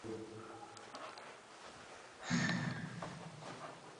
তিনি বেইজিং যাত্রা করে জাতীয় ধর্মীয় সংস্থার প্রধানের পদ লাভ করেন।